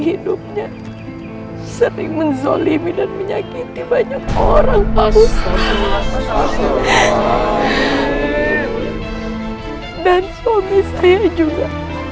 hidupnya sering menzolimi dan menyakiti banyak orang dan suami saya juga